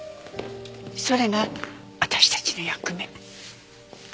それが私たちの役目。